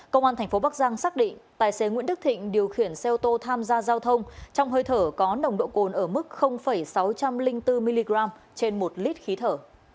công an tp bắc giang xác định tài xế nguyễn đức thịnh điều khiển xe ô tô tham gia giao thông trong hơi thở có nồng độ cồn ở mức sáu trăm linh bốn mg trên một lít khí thở